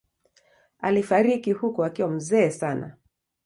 Alifariki huko akiwa mzee sana.